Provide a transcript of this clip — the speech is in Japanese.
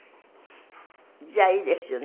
じゃあいいですよね。